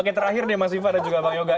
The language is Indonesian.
oke terakhir nih mas siva dan juga pak yoga